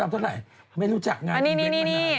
๓๐๐๐กับไม่รู้จักงานอินเดียมานาน